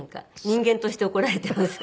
人間として怒られています。